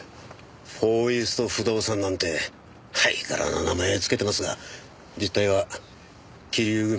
フォーイースト不動産なんてハイカラな名前つけてますが実態は貴龍組の傘下です。